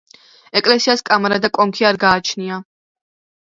ეკლესიას კამარა და კონქი არ გააჩნია.